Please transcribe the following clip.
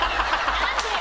何でよ？